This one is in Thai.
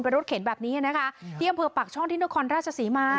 เป็นรถเข็นแบบนี้นะคะเยี่ยมเผื่อปากช่องทินโอคอนราชศรีมา